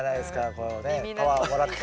こうねパワーをもらって。